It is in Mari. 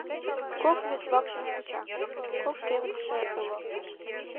Кок вӱд вакшым куча, кок кевытше уло.